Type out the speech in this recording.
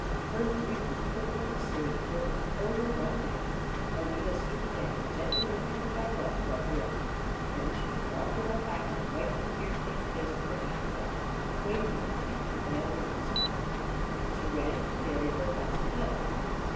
Her grief was pitiful to see, for it was overwhelming. Alida stooped down, and gently lifting the child up, brought her in. Then she took off the wet hat and wiped the tear stained face with her handkerchief. "Wait a minute, Jane, till I bring you something," and she ran to the dairy for a glass of milk.